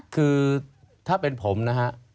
คือถ้าเป็นผมนะฮะ